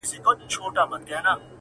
o د زړه ملا مي راته وايي دغه.